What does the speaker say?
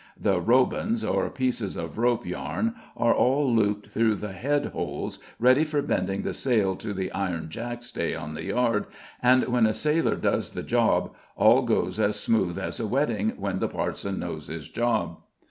The "robands" or pieces of rope yarn, are all looped through the "head holes" ready for bending the sail to the iron jackstay on the yard, and when a sailor does the job, all goes as smooth as a wedding when the parson knows his job.